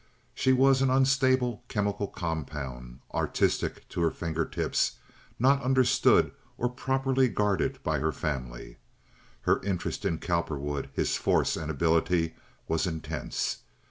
She was an unstable chemical compound, artistic to her finger tips, not understood or properly guarded by her family. Her interest in Cowperwood, his force and ability, was intense.